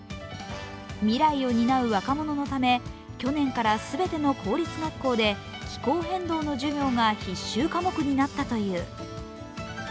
未来を担う若者のため、去年から全ての公立学校で気候変動の授業が必修科目になったという。